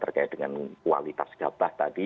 terkait dengan kualitas gabah tadi